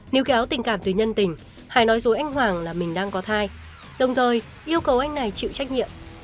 nếu kéo tình cảm từ nhân tình hải nói dối anh hoàng là mình đang có thai đồng thời yêu cầu anh này chịu trách nhiệm